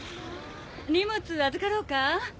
荷物預かろうか？